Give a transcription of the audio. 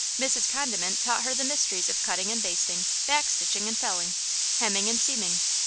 Mrs. Condiment taught her the mysteries of cutting and basting, back stitching and felling, hemming and seaming.